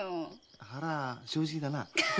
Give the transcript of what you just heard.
腹は正直だな。